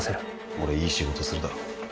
俺いい仕事するだろ？